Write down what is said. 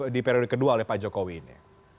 di periode kedua oleh pak jokowi ini